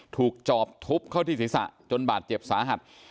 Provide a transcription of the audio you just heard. จอบทุบเข้าที่ศีรษะจนบาดเจ็บสาหัส